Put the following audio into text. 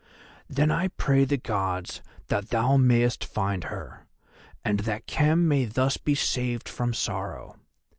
"Then I pray the Gods that thou mayest find her, and that Khem may thus be saved from sorrow.